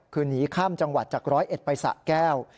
คือนี้ข้ามจังหวัดจาก๑๐๑ไปสะแก้ว